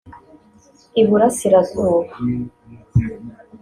Iburasirazuba